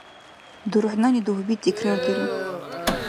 ДурхӀнани дугьби тикрардиру.